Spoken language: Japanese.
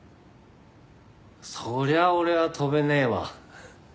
そりゃ俺は跳べねえわ。